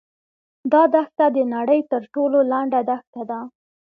دا دښته د نړۍ تر ټولو لنډه دښته ده.